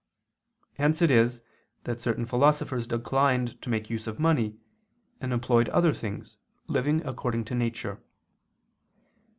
Hence it is that certain philosophers declined to make use of money, and employed other things, living according to nature.